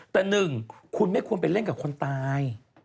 แต่หนึ่งคุณไม่ควรไปเล่นกับคนตาย